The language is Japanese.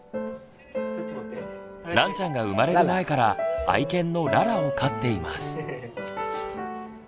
らんちゃんが生まれる前から愛犬のララを飼っています。